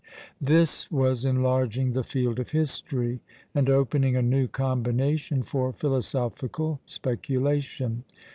This was enlarging the field of history, and opening a new combination for philosophical speculation.